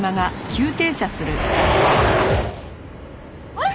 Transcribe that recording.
あれ？